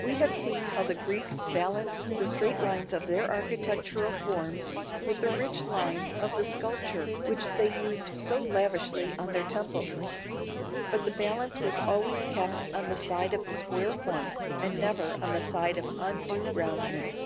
We have seen how the Greeks balanced the straight lines of their architectural forms with the rich lines of the sculpture which they used so lavishly on their temples. But the balance was always kept on the side of the square forms and never on the side of undue roundness.